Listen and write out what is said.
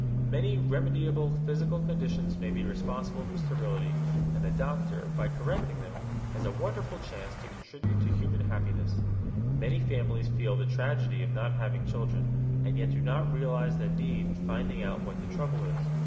Many remediable physical conditions may be responsible for sterility, and the doctor, by correcting them, has a wonderful chance to contribute to human happiness. Many families feel the tragedy of not having children, and yet do not realize the need of finding out what the trouble is.